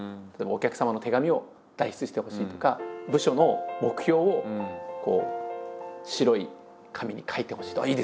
例えばお客様の手紙を代筆してほしいとか部署の目標を白い紙に書いてほしいとか。